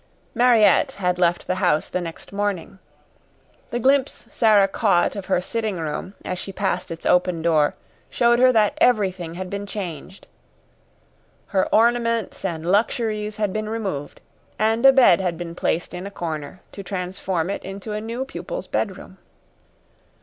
Mariette had left the house the next morning. The glimpse Sara caught of her sitting room, as she passed its open door, showed her that everything had been changed. Her ornaments and luxuries had been removed, and a bed had been placed in a corner to transform it into a new pupil's bedroom.